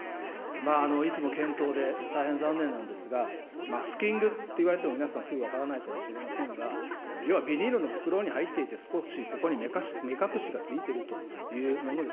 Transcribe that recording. いつも検討で、大変残念なんですが、マスキングと言われても、皆さん、すぐ分からないかもしれませんが、要はビニールの袋に入っていて、そこに目隠しがついているというものです。